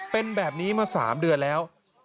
เป็นแบบนี้มา๓เดือนแล้ว